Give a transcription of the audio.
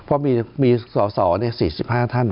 ว่ามีสอศอส่องเนี่ย๔๕ท่าน